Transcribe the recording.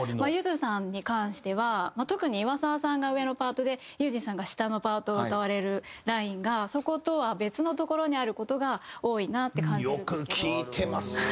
ゆずさんに関しては特に岩沢さんが上のパートで悠仁さんが下のパートを歌われるラインがそことは別のところにある事が多いなって感じるんですけど。